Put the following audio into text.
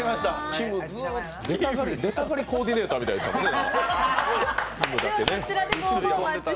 きむ、出たがりコーディネーターみたいでしたね。